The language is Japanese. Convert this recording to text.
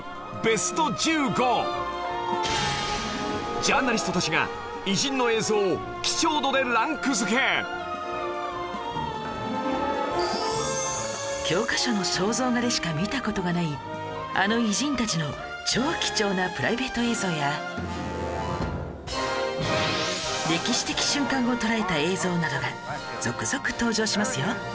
ジャーナリストたちが教科書の肖像画でしか見た事がないあの偉人たちの超貴重なプライベート映像や歴史的瞬間を捉えた映像などが続々登場しますよ